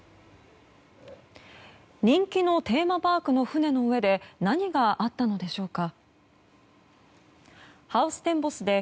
人気のテーマパークの船の上で何があったのでしょうか。